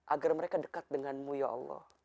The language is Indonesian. agar mereka dekat denganmu ya allah